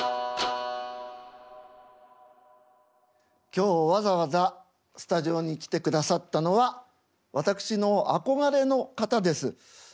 今日わざわざスタジオに来てくださったのは私の憧れの方です。